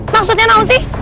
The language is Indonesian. maksudnya naun sih